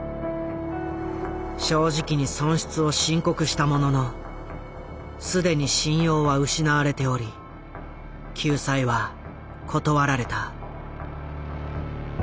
正直に損失を申告したものの既に信用は失われており救済は断られた。